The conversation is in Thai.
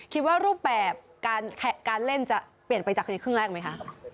คิดว่ารูปแบบการเล่นจะเปลี่ยนไปจากคดีครึ่งแรกไหมคะ